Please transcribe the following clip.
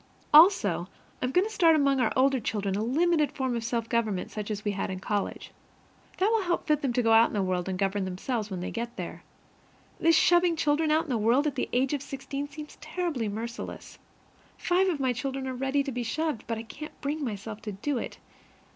Also I am going to start among our older children a limited form of self government such as we had in college. That will help fit them to go out into the world and govern themselves when they get there. This shoving children into the world at the age of sixteen seems terribly merciless. Five of my children are ready to be shoved, but I can't bring myself to do it.